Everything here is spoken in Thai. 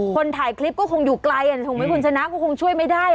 คนถ่ายคลิปก็คงอยู่ไกลถูกไหมคุณชนะก็คงช่วยไม่ได้